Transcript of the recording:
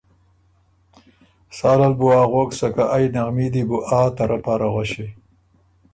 سالل بُو اغوک سکه ائ نغمي دی بُو آ ته رۀ پاره غؤݭی۔